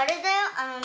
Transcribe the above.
あのね